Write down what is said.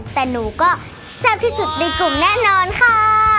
แต่หนูก็แซ่บที่สุดในกลุ่มแน่นอนค่ะ